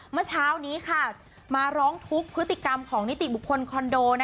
เมื่อเช้านี้ค่ะมาร้องทุกข์พฤติกรรมของนิติบุคคลคอนโด